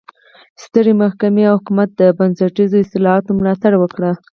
سترې محکمې او حکومت د بنسټیزو اصلاحاتو ملاتړ وکړ.